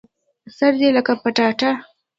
سر دي لکه پټاټه